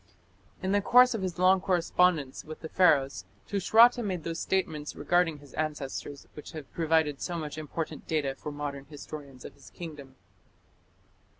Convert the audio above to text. In the course of his long correspondence with the Pharaohs, Tushratta made those statements regarding his ancestors which have provided so much important data for modern historians of his kingdom.